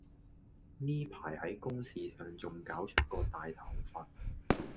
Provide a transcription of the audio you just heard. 近排喺公事上仲搞出個大頭佛